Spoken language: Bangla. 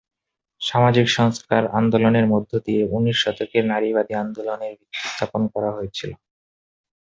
সামাজিক সংস্কার আন্দোলনের মধ্য দিয়ে ঊনিশ শতকের নারীবাদী আন্দোলনের ভিত্তি স্থাপন করা হয়েছিল।